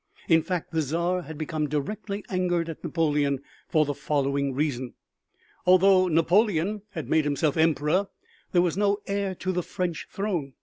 In fact the Czar had become directly angered at Napoleon for the following reason. Although Napoleon had made himself Emperor there was no heir to the French throne.